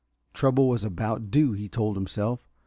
Trouble was about due, he told himself.